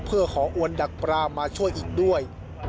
เพื่อขออวนดักปลามาช่วยอีกด้วย